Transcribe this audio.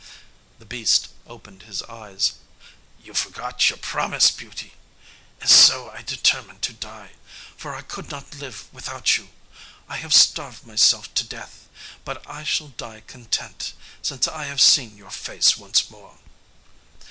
The beast opened his eyes. "You forgot your promise, Beauty, and so I determined to die; for I could not live without you. I have starved myself to death, but I shall die content since I have seen your face once more."